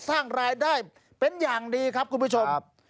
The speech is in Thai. สร้างรายได้เป็นอย่างดีครับคุณผู้ชม